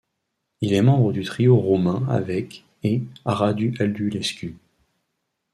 Il est membre du Trio roumain avec et Radu Aldulescu.